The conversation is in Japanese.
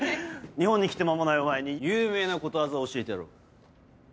日本に来て間もないお前に有名なことわざを教えてやろう。